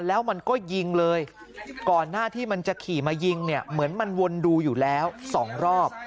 แล้วมันก็ยิงเลยก่อนหน้าที่มันจะขี่มายิงเนี่ยเหมือนมันวนดูอยู่แล้วสองรอบ